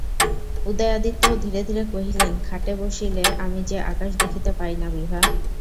উদয়াদিত্য ধীরে ধীরে কহিলেন, খাটে বসিলে আমি যে আকাশ দেখিতে পাই না বিভা।